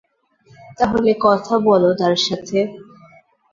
তাহলে কথা বল তার সাথে।